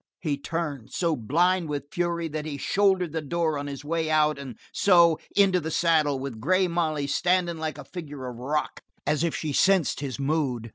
He turned, so blind with fury that he shouldered the door on his way out and so, into the saddle, with Grey Molly standing like a figure of rock, as if she sensed his mood.